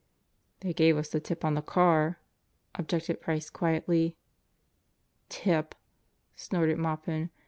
"They gave us the tip on the car," objected Price quietly. "Tipl" snorted Maupin.